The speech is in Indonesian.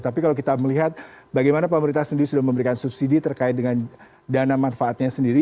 tapi kalau kita melihat bagaimana pemerintah sendiri sudah memberikan subsidi terkait dengan dana manfaatnya sendiri